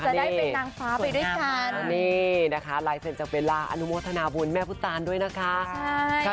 นี่นะคะไหลเซ็นต์จากเวลาอนุโมทนาบุญแม่พุทธตานด้วยนะคะใช่